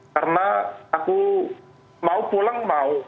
karena aku mau pulang mau